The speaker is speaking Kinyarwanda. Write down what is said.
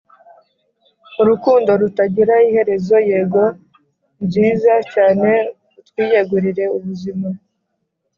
urukundo rutagira iherezo: yego nziza cyane itwiyegurira ubuzima